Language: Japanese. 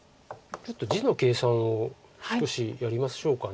ちょっと地の計算を少しやりましょうか。